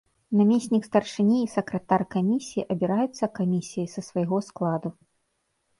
Намеснік старшыні і сакратар камісіі абіраюцца камісіяй са свайго складу.